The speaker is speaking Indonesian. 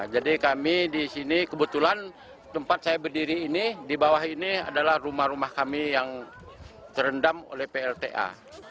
jadi kami di sini kebetulan tempat saya berdiri ini di bawah ini adalah rumah rumah kami yang terendam oleh plta